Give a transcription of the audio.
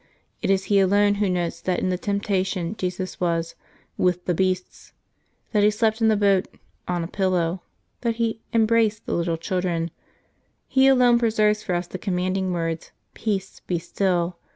It is he alone who notes that in the temptation Jesus was " with the beasts ;" that He slept in the boat " on a pillow ;" that He '^ embraced '' the little children. He alone preserves for us the commanding words " Peace, be still